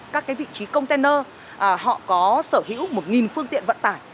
các vị trí container họ có sở hữu một phương tiện vận tải